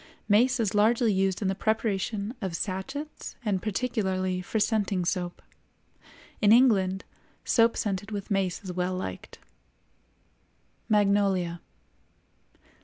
Mace is largely used in the preparation of sachets and particularly for scenting soap. In England, soap scented with mace is well liked. MAGNOLIA.